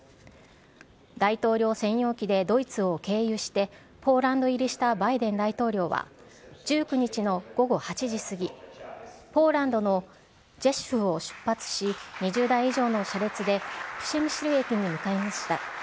大統領専用機でドイツを経由して、ポーランド入りしたバイデン大統領は、１９日の午後８時過ぎ、ポーランドのジェシュフを出発し、２０台以上の車列でプシェミシル駅へ向かいました。